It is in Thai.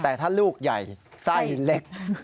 แต่ถ้าลูกใหญ่ไส้เล็ก